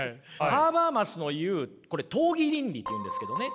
ハーバーマスの言うこれ討議倫理というんですけどね